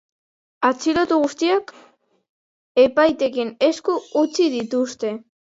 Atxilotu guztiak epaitegien esku utzi dituzte.